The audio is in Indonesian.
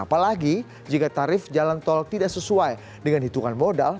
apalagi jika tarif jalan tol tidak sesuai dengan hitungan modal